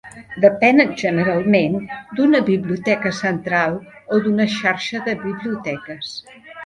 Depenen, generalment, d'una biblioteca central o d'una xarxa de biblioteques.